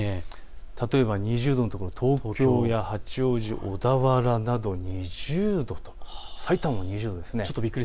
例えば２０度のところ、東京や八王子、小田原など２０度、さいたまも２０度です。